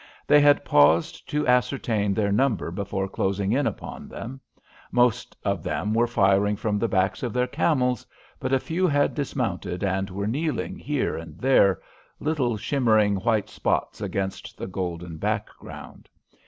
They had paused to ascertain their number before closing in upon them. Most of them were firing from the backs of their camels, but a few had dismounted and were kneeling here and there, little shimmering white spots against the golden background.